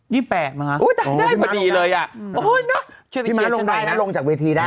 ยิบแปดมั้ยคะพี่ม้าลงได้พี่ม้าลงจากเวทีได้